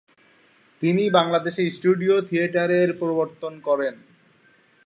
তিনি বাংলাদেশে স্টুডিও থিয়েটারের প্রবর্তন করেন।